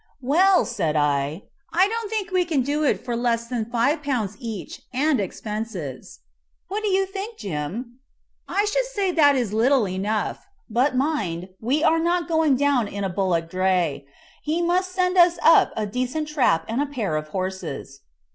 "Well," said I, "I don't think we can do it for less than five pounds each and expenses. What do you think, Jim?" "I should say that is little enough; but mind, we are not going down in a bullock dray. He must send us up a decent trap and a pair of horses."